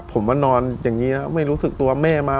ผมมานอนอย่างนี้แล้วไม่รู้สึกตัวแม่มา